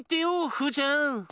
フーちゃん。